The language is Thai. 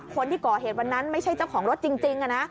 คนที่ก่อเหตุวันนั้นไม่ใช่เจ้าของรถจริง